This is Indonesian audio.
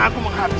aku mau pergi